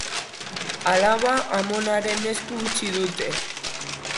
Alaba amonaren esku utzi dute.